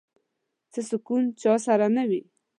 څه سکون چا سره نه وي